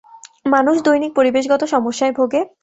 মানুষ দৈনিক পরিবেশগত সমস্যায় ভোগে।